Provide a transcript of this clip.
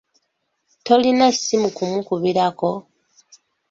Tolina ssimu kumukubirako?